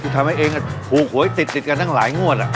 ที่ทำให้เอ็งอ่ะหูกหวยติดกันทั้งหลายงวดอ่ะ